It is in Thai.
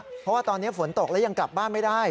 เพราะว่าตอนนี้ฝนตกแล้วยังกลับบ้านไม่ได้